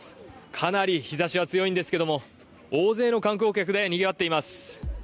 かなり日ざしは強いんですが大勢の観光客でにぎわっています。